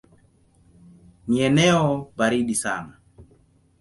Ni eneo baridi sana.